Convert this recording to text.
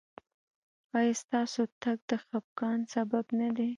ایا ستاسو تګ د خفګان سبب نه دی؟